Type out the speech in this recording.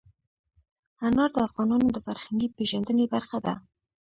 انار د افغانانو د فرهنګي پیژندنې برخه ده.